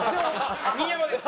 新山です。